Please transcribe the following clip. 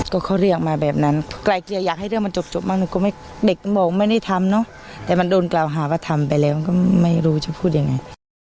ก็เขาเรียกมาแบบนั้นไกลเกลี่ยอยากให้เรื่องมันจบมากหนูก็ไม่เด็กบอกไม่ได้ทำเนอะแต่มันโดนกล่าวหาว่าทำไปแล้วก็ไม่รู้จะพูดยังไง